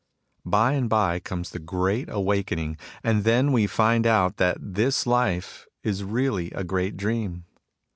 By and by comes the Great Awakening, and then we find out that this life is really a great dream.